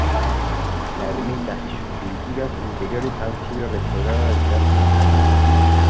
La ermita y sus pinturas interiores han sido restauradas hace unos años.